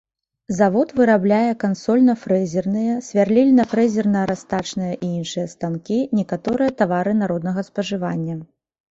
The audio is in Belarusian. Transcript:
Завод вырабляе кансольна-фрэзерныя, свярлільна-фрэзерна-растачныя і іншыя станкі, некаторыя тавары народнага спажывання.